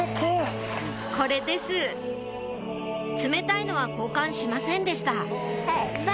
これです冷たいのは交換しませんでした